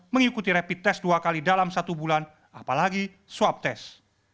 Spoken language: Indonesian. mengikuti rapid test dua kali dalam satu bulan apalagi swab test